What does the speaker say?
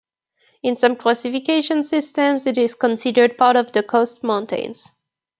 In some classification systems it is considered part of the Coast Mountains.